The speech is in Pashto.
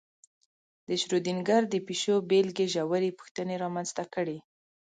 د شرودینګر د پیشو بېلګې ژورې پوښتنې رامنځته کړې.